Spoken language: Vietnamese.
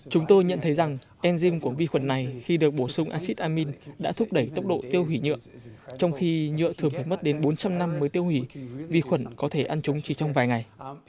chúng tôi nhận thấy rằng enzym của vi khuẩn này khi được bổ sung acid amine đã thúc đẩy tốc độ tiêu hủy nhựa trong khi nhựa thường phải mất đến bốn trăm linh năm mới tiêu hủy vi khuẩn có thể ăn chúng chỉ trong vài ngày